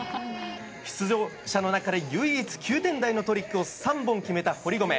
出場者の中で唯一、９点台のトリックを３本決めた堀米。